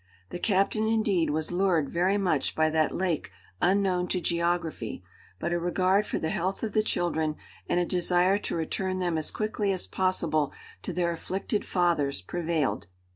The captain indeed was lured very much by that lake unknown to geography, but a regard for the health of the children and a desire to return them as quickly as possible to their afflicted fathers prevailed.